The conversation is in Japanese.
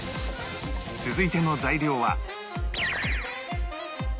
続いての材料は